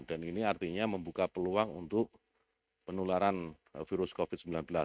dan ini artinya membuka peluang untuk penularan virus covid sembilan belas